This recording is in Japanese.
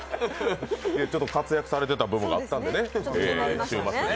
ちょっと活躍されてた部分があったんでね、週末に。